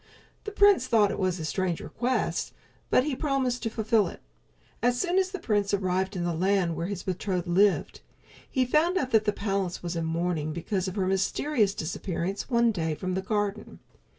The prince thought it a strange request, but he promised to fulfill it. As soon as the prince arrived in the land where his betrothed lived, he found out that the palace was in mourning because of her mysterious disappearance one day from the garden.